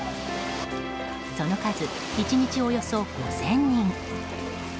その数、１日およそ５０００人。